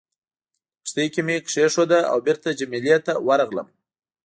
په کښتۍ کې مې کېښوده او بېرته جميله ته ورغلم.